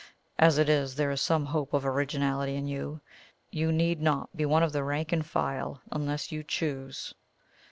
As it is, there is some hope of originality in you you need not be one of the rank and file unless you choose."